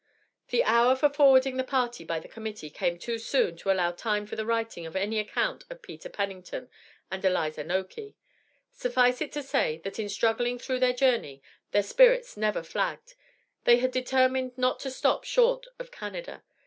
The hour for forwarding the party by the Committee, came too soon to allow time for the writing of any account of Peter Pennington and Eliza Nokey. Suffice it to say, that in struggling through their journey, their spirits never flagged; they had determined not to stop short of Canada.